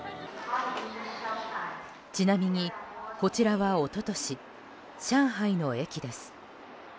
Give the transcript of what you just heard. ちなみに、こちらは一昨年上海の駅です。